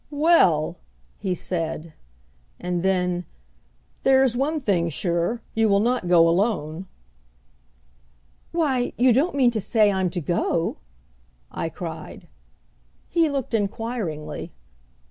"Well!" he said; and then, "there's one thing sure; you will not go alone!" "Why, you don't mean to say I'm to go!" I cried. He looked inquiringly.